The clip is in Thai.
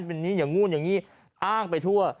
เป็นนี้อย่างนู้นอย่างนี้อ้างไปทั่ว